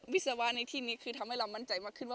วิศวะในที่นี้คือทำให้เรามั่นใจมากขึ้นว่า